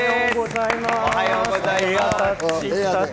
おはようございます。